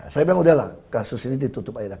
saya bilang udahlah kasus ini ditutup air lah